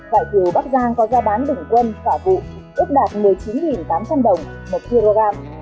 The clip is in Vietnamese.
vải thiều bắc giang có gia bán đỉnh quân phả vụ ước đạt một mươi chín tám trăm linh đồng một kg